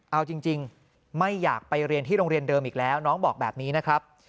เอาจริงไม่อยากไปเรียนที่โรงเรียนเดิมอีกแล้วน้องบอกแบบนี้นะครับ